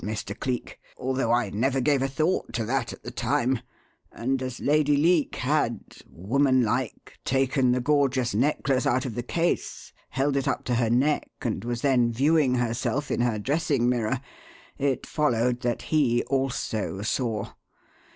] "Of course he had heard what I had said, Mr. Cleek although I never gave a thought to that at the time and as Lady Leake had, womanlike, taken the gorgeous necklace out of the case, held it up to her neck and was then viewing herself in her dressing mirror, it followed that he also saw.